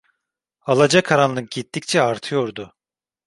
Alacakaranlık gittikçe artıyordu.